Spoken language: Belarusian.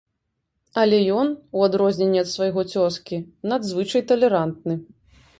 Але ён, у адрозненні ад свайго цёзкі, надзвычай талерантны.